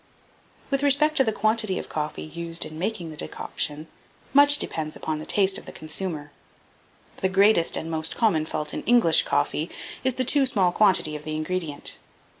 1806. With respect to the quantity of coffee used in making the decoction, much depends upon the taste of the consumer. The greatest and most common fault in English coffee is the too small quantity of the ingredient.